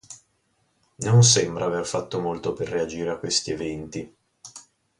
Non sembra aver fatto molto per reagire a questi eventi.